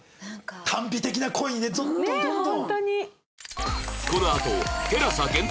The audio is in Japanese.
耽美的な恋にねどんどんどんどん。